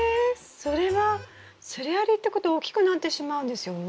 それはつるありってことは大きくなってしまうんですよね？